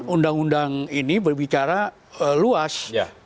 undang undang ini berbicara luas